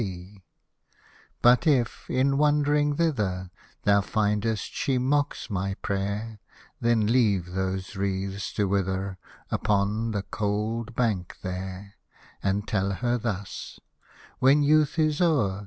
Hosted by Google so WARMLY WE MET 49 But if, in wandering thither, Thou findest she mocks my prayer. Then leave those wreaths to wither Upon the cold bank there ; And tell her thus, when youth is o'er.